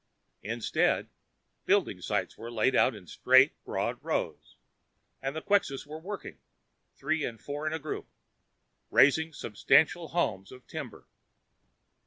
Instead, building sites were laid out in straight, broad rows, and Quxas were working, three and four in a group, raising substantial homes of timber.